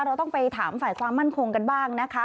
เราต้องไปถามฝ่ายความมั่นคงกันบ้างนะคะ